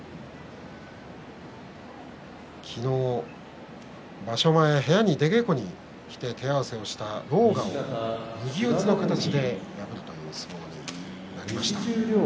昨日、場所前部屋に出稽古に来て手合わせをした狼雅を右四つの形で破るという相撲がありました。